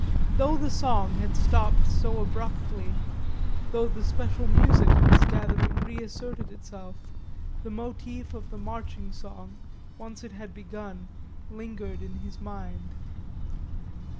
Though the song had stopped so abruptly, though the special music of this gathering reasserted itself, the motif of the marching song, once it had begun, lingered in his mind.